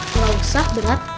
kalau besar berat